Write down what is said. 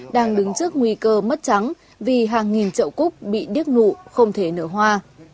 đang đứng trước nguy cơ mất trắng vì hàng nghìn chậu cúc bị điếc nụ không thể nửa hoa